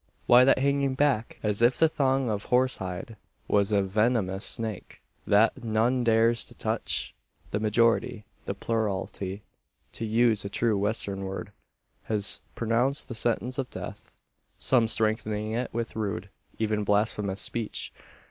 Why that hanging back, as if the thong of horse hide was a venomous snake, that none dares to touch? The majority the plurality, to use a true Western word has pronounced the sentence of death; some strengthening it with rude, even blasphemous, speech.